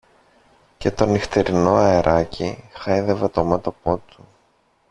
Και το νυχτερινό αεράκι χάιδευε το μέτωπο του